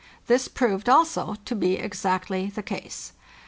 This proved also to be exactly the case.